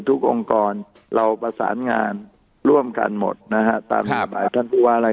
ทุกองค์กรเราประสานงานร่วมกันหมดนะฮะครับครับท่านผู้ว่าไม่เอง